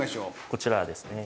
こちらですね。